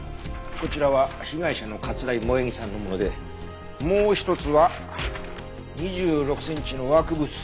こちらは被害者の桂井萌衣さんのものでもう１つは２６センチのワークブーツ。